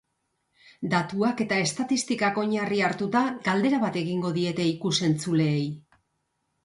Datuak eta estatistikak oinarri hartuta, galdera bat egingo diete ikus-entzuleei.